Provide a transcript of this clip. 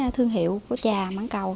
thương hiệu trà mảng cầu